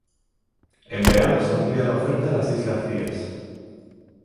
En verano se amplía la oferta a las Islas Cíes.